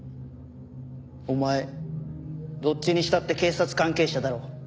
お前どっちにしたって警察関係者だろ。